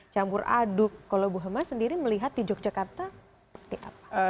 campur aduk kalau bu hemas sendiri melihat di yogyakarta seperti apa